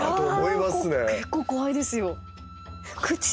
いや結構怖いですよ。